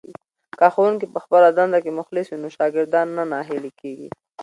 که ښوونکی په خپله دنده کې مخلص وي نو شاګردان نه ناهیلي کېږي.